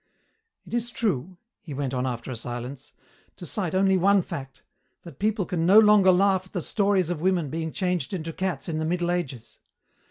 It is true," he went on after a silence, "to cite only one fact that people can no longer laugh at the stories of women being changed into cats in the Middle Ages.